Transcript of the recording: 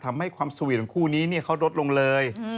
ทำให้ความสวีทของคู่นี้เขาลดลงเลย